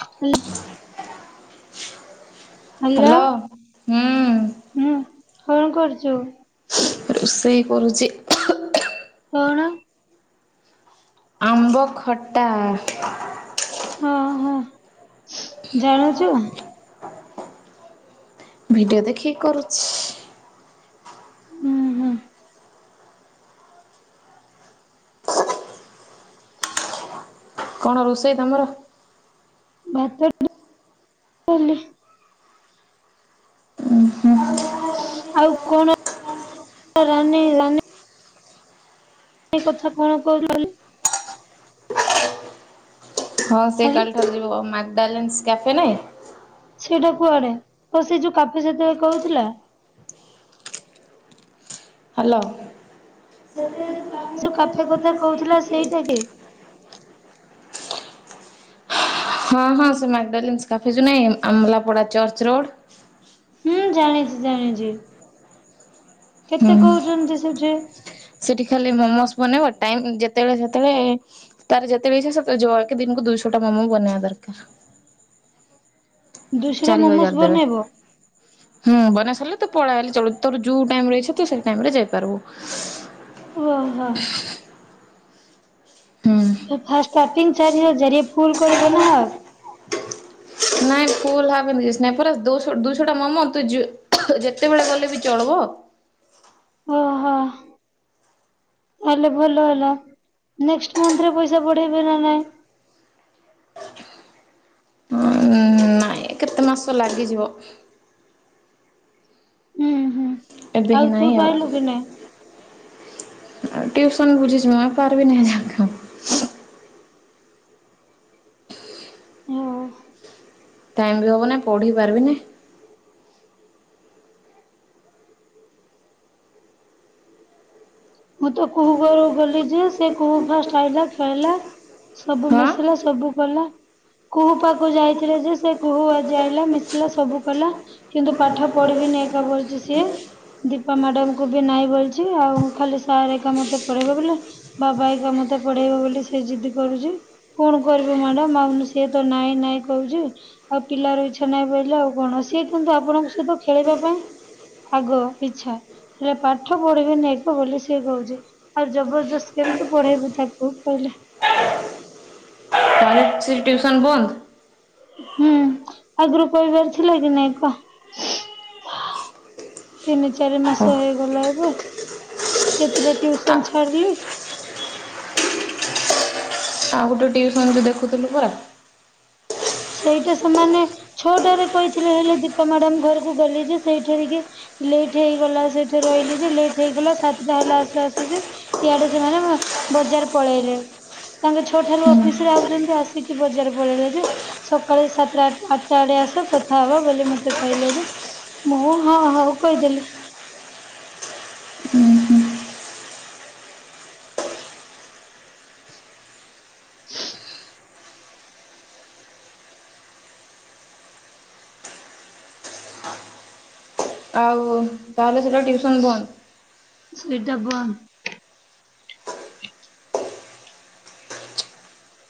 ହାଲ ହ୍ୟାଲୋ ହୁଁ ହୁଁ କଣ କରୁଛୁ? ରୋଷେଇ କରୁଛି। କଣ? ଆମ୍ବ ଖଟା। ହଁ ହୋ ଜାଣୁଛୁ। ଭିଡିଓ ଦେଖି କରୁଛି। ହୁଁ ହୁଁ। [inaudible] କଣ ରୋଷେଇ ତମର? ଭାତ, ଡାଲି। ଆଉ କଣ ରାନୀ ରାନୀ? ସେ କଥା କଣ କହୁ ହଁ ସେ ହାଲ୍ କାଲି ଠାରୁ ଯିବ ମାକ୍ଡାଲିନ୍ସ୍ କ୍ୟା ସେଟା କୁଆଡେ ତ ସେ ଯୋଉ କାଫି ସେତେବେଳେ କହୁଥିଲା। ହାଲୋ। ସେ କାଫେ କଥା କହୁଥିଲା ସେଇଟା କି? ହଁ ହଁ ସେ ମାକ୍ଡାଲିନ୍ସ୍ କାଫେ ଜୁ ନାଇଁ ଆମ୍ଲାପଡା ଚର୍ଚ୍ଚ ରୋଡ ହୁଁ ଜାଣିଛି ଜାଣିଛି। ହୁଁ ସେଠି ସେଠି ଖାଲି ମମୋସ ବନେଇବ। ଟାଇମ ଯେତେବେଳେ ସେତେବେଳେ ତାର ଯେତେବେଳେ ଇଚ୍ଛା ସେ ଜଳ ଦିନକୁ ଦୁଇଶହ ଟା ମୋମୋ ବନେଇବା ଦରକାର। ଦୁସରା ଚାରି ହଜାର ମୋମୋସ୍ ଦେବେ ବନେଇବ ହୁଁ ବନୋସ ହେଲେ ତ ପଳେଇ ହେଲେ ଚ ତୋର ଯେଉ ଟାଇମ ରେ ଇଚ୍ଛା ତ ସେ ଟାଇମ ରେ ଯାଇପାରିବୁ। ଓ ହୋ। ହୁଁ ଫାର୍ଷ୍ଟ ଷ୍ଟାର୍ଟିଂ ଚାରି ହଯାର ଫୁଲ କରିବ ନା ହାଫ ନାଇଁ ଫୁଲ ହା ଏମିତି କିଛି ନାଇ ଦୁଶହଟା ମୋମୋ। ତୁ ଯେତେବେଳେ ଗଲେ ବି ଚଳବ। ଓହୋ। ତାହେଲେ ଭଲ ହେଲା ନେକ୍ସଟ୍ ମନ୍ଥ ରେ ପଇସା ବଢେଇବେ ନା ନାଇଁ? [inaudible] ନାହିଁ କେତେ ମାସ ଲାଗିଯିବ? ଉୁଁ ହୁଁ ଏବେ ହିଁ ଆଉ ନାହିଁ ତୁ ଭାଇ ଲଗିନା ଆଉ ଟ୍ୟୁସନ ବୁଝିଛି ମୁ କାହାର ବି ନାହିଁ ଉଁ ଟାଇମ ବି ହବ ନି ପଢି ପାରିବିନି। ମୁଁ ତ କୁହୁ ଘରକୁ ଗଲି ଯେ ସେ କୁହୁ ଫାଷ୍ଟ ଆଇଲା ଖାଇଲା। ସବୁ ହଁ ମିଶିଲା ସବୁ କଲା କୁହୁ ପାଖକୁ ଯାଇଥିଲି ଯେ ସେ କୁହୁ ଆଜି ଆଇଲା ମିଶିଲା ସବୁ କଲା କିନ୍ତୁ ପାଠ ପଢିବି ନାଇଁ ବୋଲିଚି ସିଏ ଦୀପା ମ୍ୟାଡାମକୁ ବି ନାଇଁ ବୋଲଛି ଆଉ ଖାଲି ସାର୍ ଏକା ମତେ ପଢେଇବ ବୋଲି ବାବା ଏକା ମତେ ପଢେଇବ ବୋଲି ସେ ଜିଦି କରୁଛି କଣ କରିବ? ମ୍ୟାଡାମ ଆଉ ସିଏ ତ ନାଇଁ ନାଇଁ କହୁଛୁ ଆଉ ପିଲାର ଇଚ୍ଛା ନାହିଁ ପହିଲେ ଆଉ କଣ ସିଏ କିନ୍ତୁ ଆପଣଙ୍କ ସହିତ ଖେଳିବା ପାଇଁ ଆଗ ଇଛା ହେଲେ ପାଠ ପଢିବେନି ବୋଲି କ କହୁଛି ଆଉ ଜବରଦସ୍ତ କେମତି ପଢେଇବୁ ତାକୁ କହିଲେ? ତାହେଲେ ସେ ଟ୍ୟୁସନ ବନ୍ଦ? ହୁଁ ଆଗରୁ କହିବାର ଥିଲା କି ନାଇଁ କହ? ତିନି ଚାରି ଓ ମାସ ହେଇଗଲା। କେତେଟା ଆ ଟ୍ୟୁସନ ଛାଡିଲି [inaudible] ଆଉ ଗୋଟେ ଟ୍ୟୁସନ ବି ଦେଖୁଥିଲୁ ପରା ସେଇଟା ସେମାନେ ଛଟାରେ କହିଥିଲେ ହେଲେ ଦୀପା ମ୍ୟାଡାମ ଘରକୁ ଗଲେ ଯେ ସେଇଠୀ ହେଇକି ଲେଟ ହେଇଗଲା ସେଠି ରହିଲି ଯେ ଲେଟ ହେଇଗଲା ସାତଟା ହେଲା ଆସୁ ଆସୁ ଯେ ଇଆଡେ ସେମାନେ ବଜାର ପଳେଇଲେ ତାଙ୍କେ ଛଅ ଠାରୁ ହୁଁ। ଅଫିସରେ ଆଉଛନ୍ତି ଆସିକି ବଜାର ପଳେଇଲେ ଯେ ସକାଳେ ସାତଟା ଆଠଟା ବଡେ ଆସ କଥା ହବ ବୋଲି ମତେ କହିଲେ ଯେ, ମୁଁ ହଁ ହଁ କହିଦେଲି। [inaudible] [inaudible] ଆଉ, ତାହେଲେ ସେଟା ଟିଉସନ ବନ୍ଦ। ସେଇଟା ବନ୍ଦ।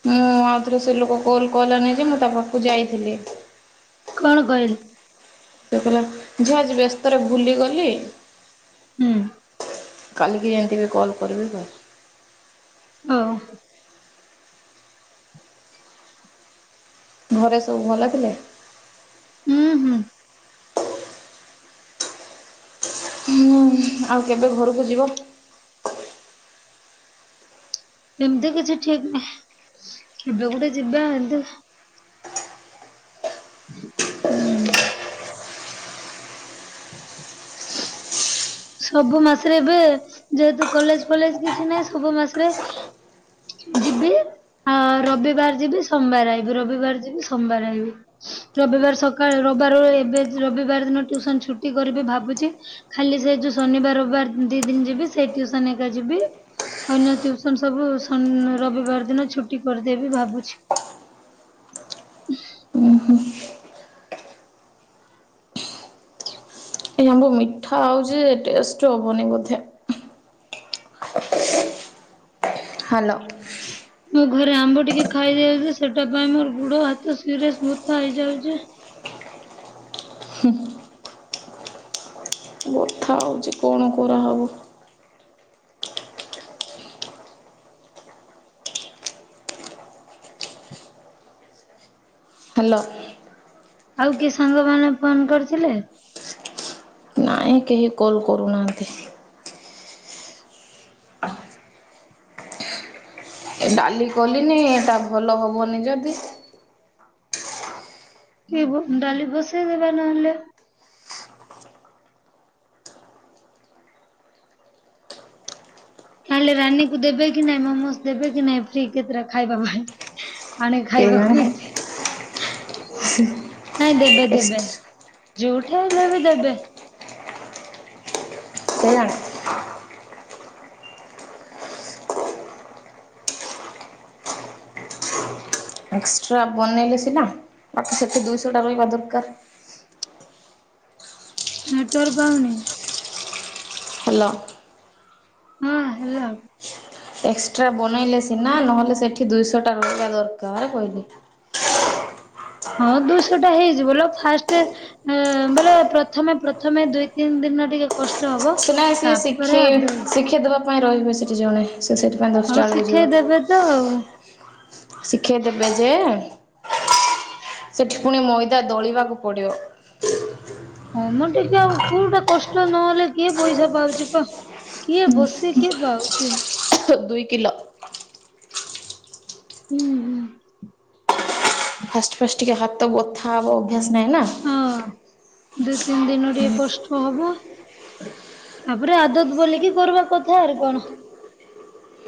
ମୁଁ ଆଉଥରେ ସେଲୋକ କଲ କଲାନି ଯେ ମୁଁ ତାପାଖକୁ ଯାଇଥିଲି। କଣ କହିଲ? ସେ କହିଲା, ଝିଅ ଆଜି ବ୍ୟସ୍ତରେ ବୁଲିଗଲି। ହୁଁ। କାଲିକି ଏମତି ବି କଲ୍ କରିବି ତ। ହଁ। ଘରେ ସବୁ ଭଲ ଥିଲେ? ଉଁ ହୁଁ। ହୁଁ, ଆଉ କେବେ ଘରକୁ ଯିବ? ସେମତି କିଛି ଠିକ ନାହିଁ, କେବେ ଗୋଟେ ଯିବା ଏମତି [inaudible] [inaudible] ସବୁ ମାସରେ ଏବେ, ଯେହେତୁ କଲେଜ ଫଲେଜ କିଛି ନାହିଁ, ସବୁ ମାସରେ ଯିବି, ଆ ରବିବାର ଯିବି ସୋମବାର ଆଇବି ରବିବାର ଯିବି ସୋମବାର ଆଇବି। ରବିବାର ସକାଳେ ରବିବାର ଏବେ ରବିବାର ଦିନ ଟ୍ୟୁସନ ଛୁଟି କରିବି ଭାବୁଚି, ଖାଲି ସେ ଯୋଉ ଶନିବାର ରବିବାର ଦି ଦିନ ଯିବି, ସେଇ ଟ୍ୟୁସନ୍ ହେଇକା ଯିବି। ଅନ୍ୟ ଟ୍ୟୁଉସନ ସବୁ ଶନ ରବିବାର ଦିନ ଛୁଟି କରିଦେବି ଭାବୁଛି। ଉଁ। ଏ ଆମ୍ବ ମିଠା ଆଉଚି ଯେ ଟେଷ୍ଟ ହବନି ବୋଧେ। ହାଲୋ। ମୁଁ ଘରେ ଆମ୍ବ ଟିକେ ଖାଇ ଦେଉଛି ସେଟା ପାଇଁ ମୋର ଗୋଡ, ହାତ ସିରିୟେସ୍ ବୁଥା ହେଇଯାଉଛି। ଉଚି କଣ କରାହବ? ହାଲୋ। ଆଉ କିଏ ସାଙ୍ଗ ମାନେ ଫୋନ କରିଥିଲେ? ନାଇଁ କେହି କଲ୍ କରୁନାହାଁନ୍ତି। ଏ ଡାଲି କଲିନି ଏଟା ଭଲ ହବନି ଯଦି କି ବୁ ଡାଲିି ବସେଇ ଦବା ନହେଲେ। ନହେଲେ ରାନୀକୁ ଦେବେ କି ନାଇଁ, ମୋମୋସ ଦେବେ କି ନାଇଁ ଫ୍ରି କେତେଟା ଖାଇବା ପାଇଁ। ଆଣେ ଖାଇବାକୁ କେଜାଣି କହିଚି। ନାଇଁ ଦେବେ ଦେବେ ଯୋଉଠା ହେଲେ ବି ଦେବେ। କେଜାଣି ହ [inaudible] ଏକ୍ସଟ୍ରା ବନେଇଲେ ସିନା ବାକି ସେଠି ଦୁଇଶଟା ରହିବା ଦରକାର। ନେଟୱାର୍କ ପାଉନି। ହାଲୋ। ହଁ ହେଲୋ। ଏକ୍ସଟ୍ରା ବନେଇଲେ ସିନା ନହେଲେ ସେଠି ଦୁଇଶଟା ରହିବା ଦରକାର କହିଲି। ହଁ ଦୁଇଶଟା ହେଇଯିବ ଲୋ ଫାଷ୍ଟ ଏଁ ବୋଲେ ପ୍ରଥମେ ପ୍ରଥମେ ଦିଇ ତିନି ଦିନ ଟିକେ କଷ ସୁନା ସିଏ ଶିଖେ ଶିଖେଇବା ଦବା ପାଇଁ ରହିବେ ସେଠି ଜଣେ। ସେ ସେଥିପାଇ ହଉ ଦଶଟା ବେଳକୁ ଯିବ, ଶିଖେଇ ଦେବେ ତ ଆଉ। ଶିଖେଇ ଦେବେ ଯେ ସେଠି ପୁଣି ମଇଦା ଦଳିବାକୁ ପଡିବ। ହଁ ମ ଟିକେ ଆଉ କୋଉଟା କଷ୍ଟ ନହେଲେ କିଏ ପଇସା ପାଉଚି କ। କିଏ ବସି କିଏ ପାଉଚି। ଦୁଇ କିଲ। ହୁଁ ହୁଁ। ଫାଷ୍ଟ ଫାଷ୍ଟ ଟିକେ ହାତ ବଥା ହବ ଅଭ୍ୟାସ ନାହିଁ ନା। ହଁ। ଦୁଇ ତିନି ଦିନ ଟିକେ କଷ୍ଟ ହବ। ତାପରେ ଆଦତ ବୋଲିକି କରିବା କଥା ଆର କଣ?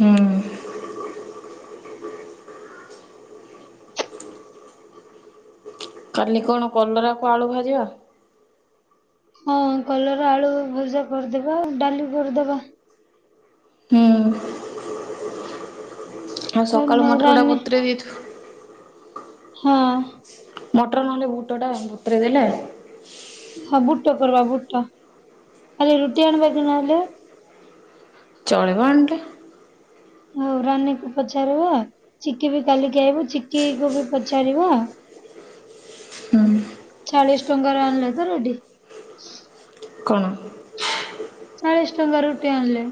ହୁଁ। କାଲି କଣ କଲରାକୁ ଆଳୁ ଭାଜିବା। ହଁ କଲରା ଆଳୁ ଭଜା କରିଦବା ଡାଲି କରିଦବା। ଉଁ। ଆଉ କାହିଁକି ସକାଳୁ ନା ମଟରଟା ରାନି ବତୁରେଇ ଦେଇଥିବୁ। ହଁ। ମଟର ନହେଲେ ବୁଟଟା ବତୁରେଇଦେଲେ ହଁ ବୁଟ କରିବା ବୁଟ ଖାଲି ରୁଟି ଆଣିବା କି ନହେଲେ। ଚଳିବ ଏମିତି। ରାନୀ କୁ ପଚାରିବ ଚିକି ବି କାଲିକି ଆଇବୁ ଚିକିକୁୁ ବି ପଚାରିବା। [inaudible] ଚାଳିଶି ଟଙ୍କା ର ଆଣିଲେ ତ ରେଡି଼ କଣ? ଚାଳିଶି ଟଙ୍କା ରୁଟି ଆଣିଲେ।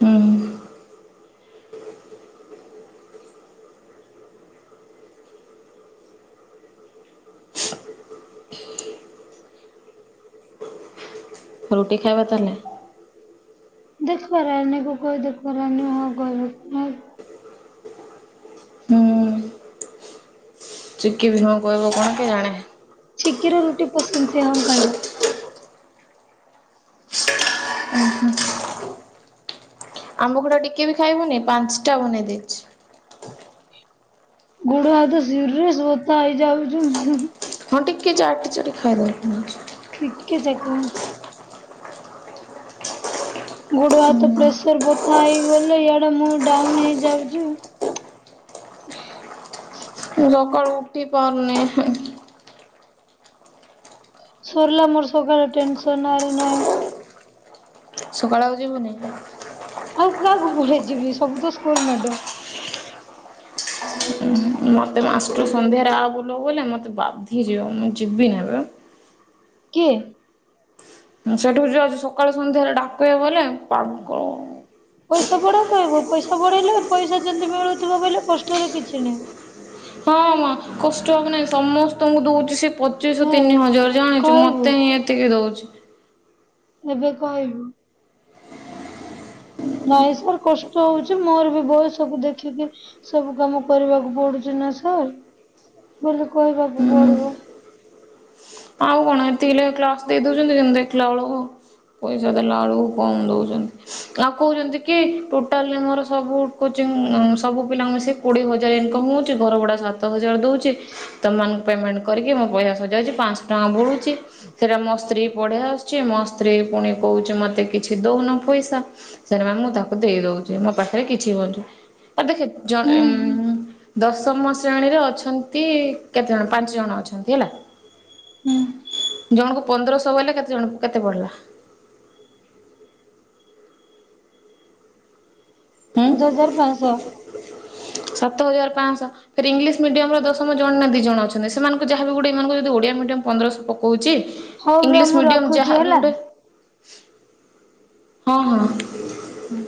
ହୁଁ ରୁଟି ଖାଇବା ତାହେଲେ। [unintelligible] ରାନୀ କୁ କହିଲେ ରାନୀ ହଁ କହିବ କି ନାଇଁ। ହୁଁ ଚିକି ବିି ହଁ କହିବ କଣ କେଜାଣେ। ଚିକି ର ରୁଟି ପସନ୍ଦ ସେ ହଁ କହିବ। [unintelligible] ଆମ୍ବକୁଡା ଟିକେ ବି ଖାଇବୁନି ପାଞ୍ଚ ଟା ବନେଇ ଦେଇଛି। [unintelligible] ହଁ ଟିକେଏ ଚାଟି ଚାଟି ଖାଇ ଦବ। ଟିକେ [unintelligible] ଗୋଡ଼ ହାତ ପ୍ରେସର ବଥା ହେଇଗଲେ ଇଆଡ଼େ ମୁଁ ଡାଉନ୍ ହେଇଯାଉଛି। [unintelligible] ସକାଳୁ ଉଠି ପାରୁନି। ସରିଲା ମୋର ସକାଳେ ଟେନସନ୍ ଆରେ ନାଇଁ। ସକାଳେ ଆଉ ଯିବୁନି। ଆଉ କାହାକୁ ପଢେଇ ଯିବି ସବୁ ତ ସ୍କୁଲ ମ୍ୟାଡ ମତେ ମାସରୁ ସନ୍ଧ୍ୟାରେ ଆ ବୁଲ ବଲେ ମତେ ବାଧି ଯିବ ମୁଁ ଯିବି [unintelligible] କିଏ। ସେଠୁ ଯଅ ସକାଳେୁ ସନ୍ଧ୍ୟାରେ ଡାକେଇ ବଲେ ପାଳନ [unintelligible] ପଇସା ବଢା କହିବ ପଇସା ବଢେଇଲେ ପଇସା ଯେମିତି ମିଳୁଥିବ ବୋଇଲେ କଷ୍ଟରେ କିଛି ନାହିଁ। ହଁ ମା କଷ୍ଟ ହବ ନାହିଁ ସମସ୍ତଙ୍କୁ ଦଉଛି ସେ ପଚିଶଅ ହଁ ତିନି ହଜାର ଜାଣିଛୁ କହିବୁ ମୋତେ ହିଁ ଏତିକି ଦଉଛି। ଏବେ କହିଲୁ। ନାଇଁ ସାର୍ କଷ୍ଟ ହଉଚି ମୋର ବି ବୟସ‌ କୁ ଦେଖିକି ସବୁ କାମ କରିବାକୁ ପଡୁଛି। ନା ସାରେ [unintelligible] କହିବାକୁୁ ହୁଁ ପଡ଼ିବ। ଆଉ କଣ ଏତିକ କ୍ଲାସ ଦେଇ ଦଉଛନ୍ତି ଯେମିତି ଦେଖିଲା ବେଳକୁ ପଇସା ଦେଲା ବେଳକୁ କମ୍ ଦଉଛନ୍ତି ଆଉ କହୁଛନ୍ତି କି ଟୋଟାଲ୍ ରେ ମୋର ସବୁ କୋ ସବୁ ପିଲାଙ୍କୁ ମିଶିକି କୋଡ଼ିଏ ହଜାର ଇନକମ୍ ହଉଛି ଘର ଭଡ଼ା ସାତ ହଜାର ଦଉଛି ତମ ମାନଙ୍କ ପେ ପେମେଣ୍ଟ କରିକି ମୋ ପଇସା ସରିଯାଉଛି ପାଁଶହ ଟଙ୍କା ବଳୁ ସେଇଟା ମୋ ସ୍ତ୍ରୀ ପଢେଇ ଆସୁଛି ମୋ ସ୍ତ୍ରୀ ପୁଣି କହୁଛି ମତେ କିଛି ଦଉନ ପଇସା। [unintelligible] ମୁଁ ତାକୁ ଦେଇ ଦଉଛି ମୋ ପାଖରେ କିଛି ହୁଁ ହୁଁ। [unintelligible] ଦଶମ ଶ୍ରେଣୀରେ ଅଛନ୍ତି କେତେଜଣ ପାଞ୍ଚ ଜଣ ଅଛନ୍ତି ହେଲା। ହୁଁ। ଜଣଙ୍କୁ ପନ୍ଦରଶହ ଗଲା କେତେ ଜଣଙ୍କୁ କେତେ ପଡ଼ିଲା? ହୁଁ ସାତହଜାର ପାଁଶହ। ପାଁ ଶହ ଇଂଲିଶ ମିଡିୟମ ର ଦଶମ ଜଣ ନା ଦି ଜଣ ଅଛନ୍ତି ସେମାନଙ୍କୁ ଯାହାବି ଗୋଟେ ଏମାନଙ୍କୁ ଯଦି ଓଡ଼ିଆ ମିଡିୟମ ପନ୍ଦରଶହ ପକଉଛି। ହଉ ର ଇଂଲିଶ ମୁଁ ମିଡିୟମ୍ ଯାହା ରଖୁଛି ବି ହେଲା। ଗୋଟେ ହଁ ହଁ। ହୁଁ।